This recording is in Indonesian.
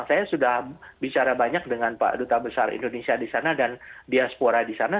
saya sudah bicara banyak dengan pak duta besar indonesia di sana dan diaspora di sana